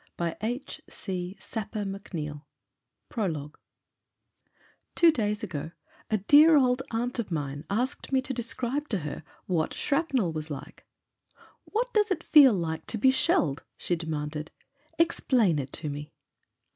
. .3x1 PROLOGUE PROLOGUE TWO days ago a dear old atint of mine asked me to describe to her what shrapnel was like. "What does it feel like to be shelled ?" she demanded. "Explain it to me."